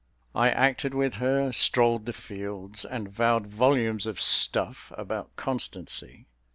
I acted with her, strolled the fields, and vowed volumes of stuff about constancy.